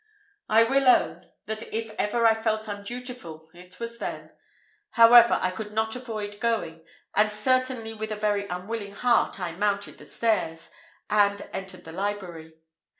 I will own, that if ever I felt undutiful, it was then. However, I could not avoid going, and certainly with a very unwilling heart I mounted the stairs, and entered the library.